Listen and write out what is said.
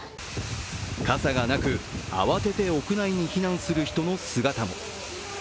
傘がなく、慌てて屋内に避難する人の姿も。